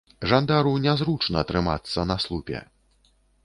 Жандару нязручна трымацца на слупе.